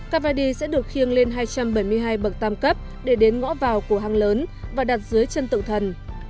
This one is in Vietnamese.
kvady sẽ được khiêng lên hai trăm bảy mươi hai bậc tam cấp để đến ngõ vào của hang lớn và đặt dưới chân tượng thần